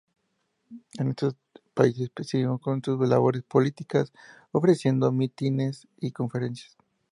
En todos estos países siguió con sus labores políticas, ofreciendo mítines y conferencias.